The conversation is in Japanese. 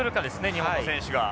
日本の選手が。